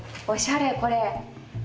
おしゃれこれ。